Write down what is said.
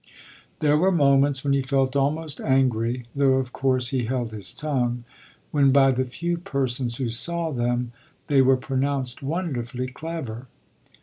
There were moments when he felt almost angry, though of course he held his tongue, when by the few persons who saw them they were pronounced wonderfully clever.